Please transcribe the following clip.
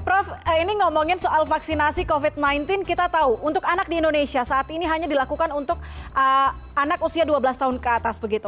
prof ini ngomongin soal vaksinasi covid sembilan belas kita tahu untuk anak di indonesia saat ini hanya dilakukan untuk anak usia dua belas tahun ke atas begitu